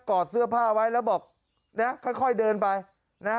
อดเสื้อผ้าไว้แล้วบอกนะค่อยเดินไปนะฮะ